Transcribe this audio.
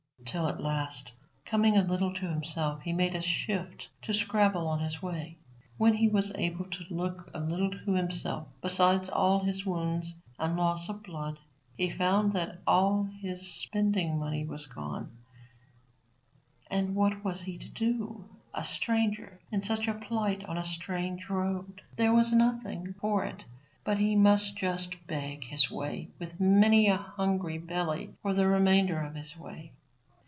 Till at last, coming a little to himself, he made a shift to scrabble on his way. When he was able to look a little to himself, besides all his wounds and loss of blood, he found that all his spending money was gone, and what was he to do, a stranger in such a plight on a strange road? There was nothing for it but he must just beg his way with many a hungry belly for the remainder of his way.